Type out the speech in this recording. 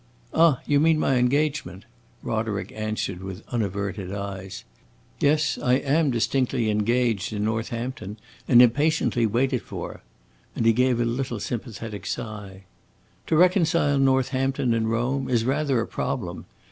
"Ah, you mean my engagement?" Roderick answered with unaverted eyes. "Yes, I am distinctly engaged, in Northampton, and impatiently waited for!" And he gave a little sympathetic sigh. "To reconcile Northampton and Rome is rather a problem.